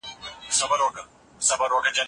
ایا ته د څيړني لپاره نوې سرچيني لري؟